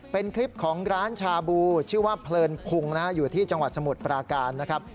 เป็นคลิปของร้านชาบูชื่อว่าเพลินพุงนะฮะอยู่ที่จังหวัดสมุทรปราการนะครับ